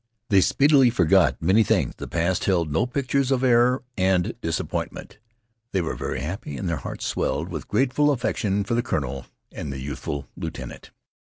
They speedily forgot many things. The past held no pictures of error and disappointment. They were very happy, and their hearts swelled with grateful affection for the colonel and the youthful lieutenant.